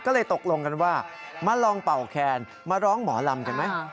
ก็เลยตกลงกันว่ามาลองเป่าแคนมาร้องหมอลำกันไหม